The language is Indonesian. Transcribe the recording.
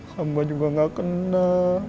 hamba juga gak kena